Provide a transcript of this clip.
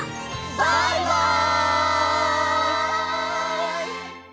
バイバイ！